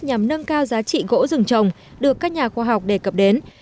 nhằm nâng cao giá trị gỗ rừng trồng được các nhà khoa học đề cập đến